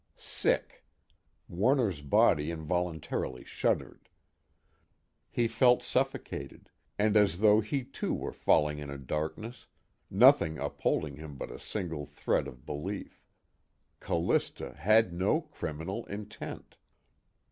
Sick Warner's body involuntarily shuddered. He felt suffocated, and as though he too were falling in a darkness, nothing upholding him but a single thread of belief: _Callista had no criminal intent.